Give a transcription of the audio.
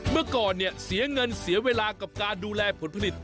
เมื่อก่อนเนี่ยเสียเงินเสียเวลากับการดูแลผลผลิต